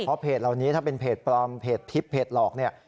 เพราะเพจเหล่านี้ถ้าเป็นเพจปลอมเพจทิพย์เพจหลอกเนี่ย